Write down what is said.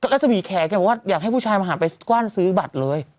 รัศมีแขกแกบอกว่าอยากให้ผู้ชายมาหาไปกว้านซื้อบัตรเลย